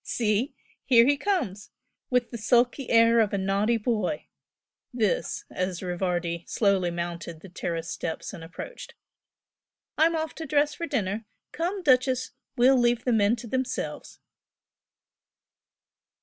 "See! here he comes, with the sulky air of a naughty boy!" this, as Rivardi slowly mounted the terrace steps and approached "I'm off to dress for dinner come, 'Duchess!' We'll leave the men to themselves!"